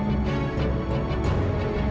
mau pengen bunuh saya violent